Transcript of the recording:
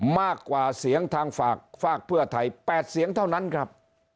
มากกว่าเสียงทางฝากฝากเพื่อไทย๘เสียงเท่านั้นครับ